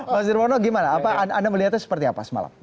mas nirwono gimana anda melihatnya seperti apa semalam